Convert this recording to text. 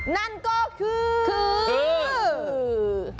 นั่นก็คือคือ